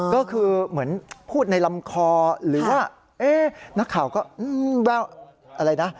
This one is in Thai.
ก็คือเหมือนพูดในลำคอหรือว่านักข่าวก็แววอะไรนะ